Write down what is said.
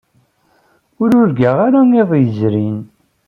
Ur urgaɣ ara iḍ yezrin.